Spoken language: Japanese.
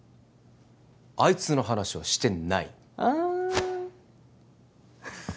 あいつの話はしてないあふっ